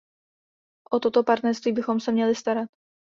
O toto partnerství bychom se měli starat.